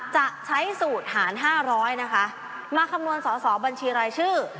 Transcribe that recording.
จะใช้สูตรหาร๕๐๐นะคะมาคำนวณสอสอบัญชีรายชื่อ